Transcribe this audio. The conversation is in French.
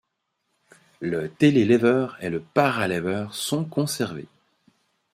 Le Telelever et le Paralever sont conservés.